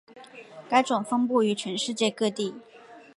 该种分布于全世界各地。